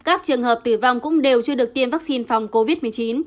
các trường hợp tử vong cũng đều chưa được tiêm vaccine phòng covid một mươi chín